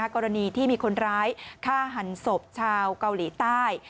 กรณีที่มีคนร้ายฆ่าหันศพชาวเกาหลีใต้